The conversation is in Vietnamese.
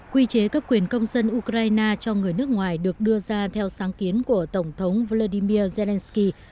quy chế cấp quyền công dân ukraine cho người nước ngoài được đưa ra theo sáng kiến của tổng thống vladimir zelensky